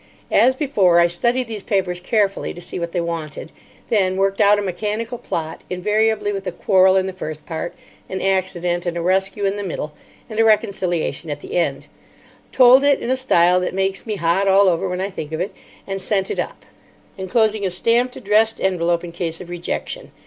As before, I studied these papers carefully to see what they wanted; then worked out a mechanical plot, invariably with a quarrel in the first part, an accident, and a rescue in the middle, and a reconciliation at the end—told it in a style that makes me hot all over when I think of it, and sent it up, enclosing a stamped addressed envelope in case of rejection.